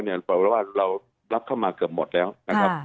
บอกแล้วว่าเรารับเข้ามาเกือบหมดแล้วนะครับ